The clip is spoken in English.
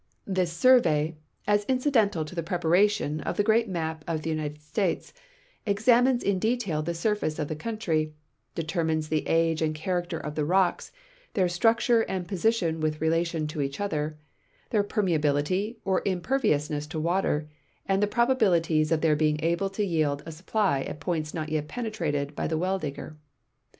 This Surve}", as incidental to the preparation of the great map of the United States, examines in detail the surface of the country, determines the age and character of the rocks, their structure and position with relation to each other, their permeability or im l)erviousness to water, and the probal)ilities of their l)eing able to _yicld a .suppl v at points not yet penetrated l^y the well digger.